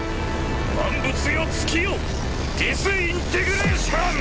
万物よ尽きよディスインテグレーション！